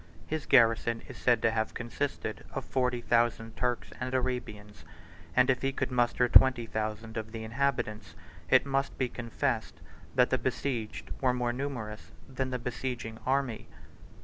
His garrison is said to have consisted of forty thousand Turks and Arabians; and if he could muster twenty thousand of the inhabitants, it must be confessed that the besieged were more numerous than the besieging army.